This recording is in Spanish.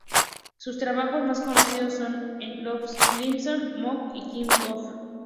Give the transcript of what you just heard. Sus trabajos más conocidos son en "Los Simpson", "Monk", y "King of the Hill".